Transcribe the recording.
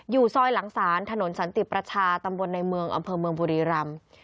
อยู่ซอยหลังศาลถนนสันติประชาตำบลในเมืองอำเภอเมืองบุรีรำ